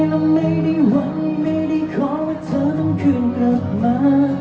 แล้วไม่ได้หวังไม่ได้ขอว่าเธอต้องคืนกลับมา